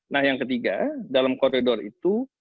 nah yang ketiga dalam koridor itu